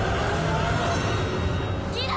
ギラ！